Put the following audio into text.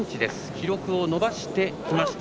記録を伸ばしてきました。